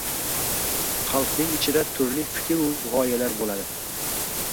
Xalqning ichida turli fikr-u g‘oyalar bo‘ladi.